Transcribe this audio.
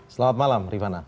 selamat malam rivana